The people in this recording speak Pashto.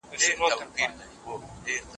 په ګڼو شپيشتو کي دي نخرې وکړې .